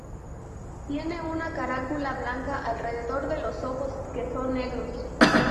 Tiene una carúncula blanca alrededor de los ojos, que son negros.